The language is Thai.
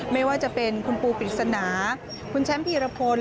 ไม่ว่าจะเป็นคุณปูปริศนาคุณแชมป์พีรพล